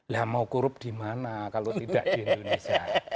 lah mau korup di mana kalau tidak di indonesia